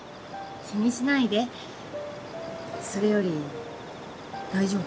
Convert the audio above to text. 気にしないでそれより大丈夫？